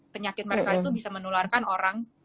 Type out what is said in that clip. penyakit mereka itu bisa menularkan orang